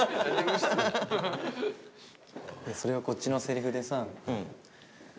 それはこっちのセリフでさ